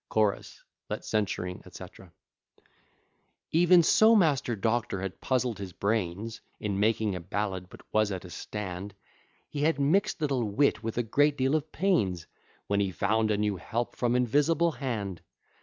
CHO. Let censuring, &c. III Even so Master Doctor had puzzled his brains In making a ballad, but was at a stand; He had mixt little wit with a great deal of pains, When he found a new help from invisible hand.